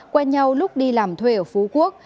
quen nhau lúc đi làm thuê ở phú quốc